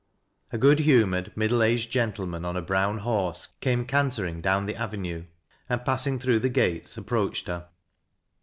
A good humored middle aged gentleman on a brown horse carai cantering down the avenue and, passing through the gatce approached her.